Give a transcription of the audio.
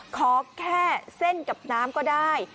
ขอแค่เส้นกับน้ำก็ได้